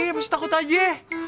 iya masih takut aja